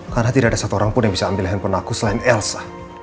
karena tidak ada satu orang pun yang bisa ambil handphone aku selain elsa